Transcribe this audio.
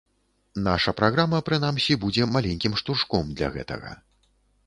Наша праграма, прынамсі, будзе маленькім штуршком для гэтага.